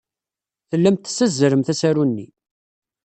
Tellamt tessazzalemt asaru-nni.